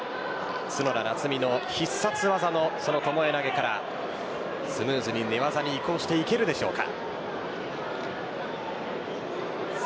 角田夏実の必殺技のその巴投からスムーズに寝技に移行していけるでしょうか。